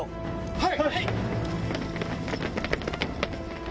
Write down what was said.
はい！